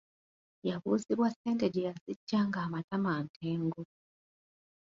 Yabuuzibwa ssente gye yaziggya ng’amatama ntengo.